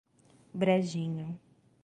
Brejinho